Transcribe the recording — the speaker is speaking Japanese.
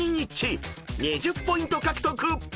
［２０ポイント獲得］